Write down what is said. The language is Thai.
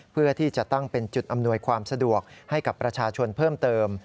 เพื่อที่จะตั้งเป็นจุดอำนวยความสะดวกให้กับประชาชนเพิ่มเติม